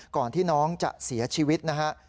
ก่อนที่น้องจะเสียชีวิตนะฮะ